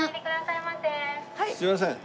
すいません。